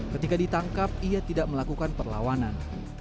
ketika ditangkap ia tidak melakukan perlawanan